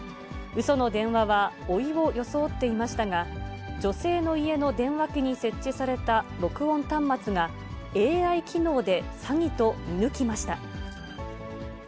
うその電話は、おいを装っていましたが、女性の家の電話機に設置された録音端末が、ＡＩ機能で詐欺と見抜きました。